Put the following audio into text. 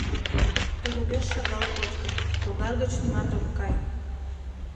Тудо пеш шагал кочкын, логар гыч нимат ок кай.